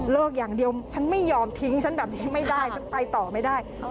อย่างเดียวฉันไม่ยอมทิ้งฉันแบบนี้ไม่ได้ฉันไปต่อไม่ได้